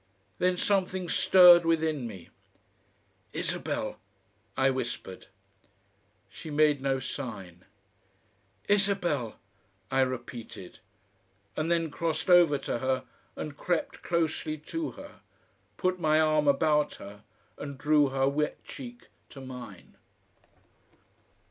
Then something stirred within me. "ISABEL!" I whispered. She made no sign. "Isabel!" I repeated, and then crossed over to her and crept closely to her, put my arm about her, and drew her wet cheek to mine.